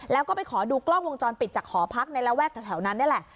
แล้วก็ไปขอดูกล้องวงจรปิดจากหอพักในระแวกแถวนั้นนี่แหละ